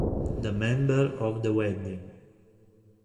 The Member of the Wedding